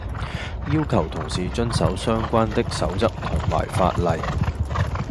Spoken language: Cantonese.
要求同事遵守相關的守則同埋法例